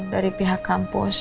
dari pihak kampus